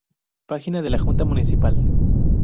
Página de la Junta Municipal